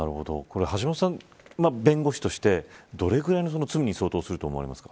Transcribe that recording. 橋下さん、弁護士としてどれくらいの罪に相当すると思いますか。